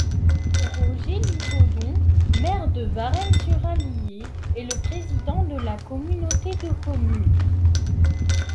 Roger Litaudon, maire de Varennes-sur-Allier, est le président de la communauté de communes.